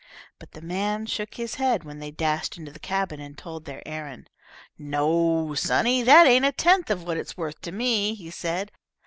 But the man shook his head, when they dashed into the cabin and told their errand. "No, sonny, that ain't a tenth of what it's worth to me," he said.